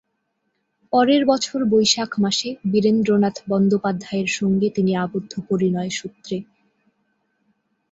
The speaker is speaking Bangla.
পরের বছর বৈশাখ মাসে বীরেন্দ্রনাথ বন্দ্যোপাধ্যায়ের সঙ্গে তিনি আবদ্ধ পরিণয়-সূত্রে।